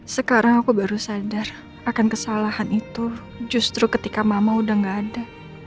sekarang aku baru sadar akan kesalahan itu justru ketika mama udah gak ada